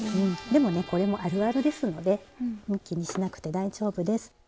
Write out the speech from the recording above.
でもねこれもあるあるですので気にしなくて大丈夫です。